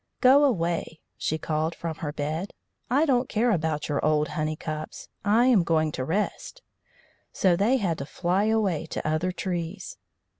"Go away," she called from her bed; "I don't care about your old honey cups; I am going to rest." So they had to fly away to other trees.